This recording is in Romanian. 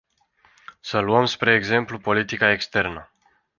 Să luăm spre exemplu politica externă.